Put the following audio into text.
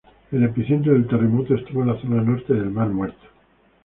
El epicentro del terremoto estuvo en la zona norte del Mar Muerto.